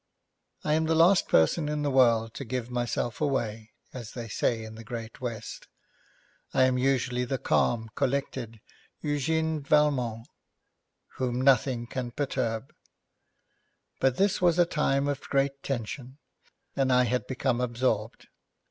I am the last person in the world to give myself away, as they say in the great West. I am usually the calm, collected Eugène Valmont whom nothing can perturb, but this was a time of great tension, and I had become absorbed.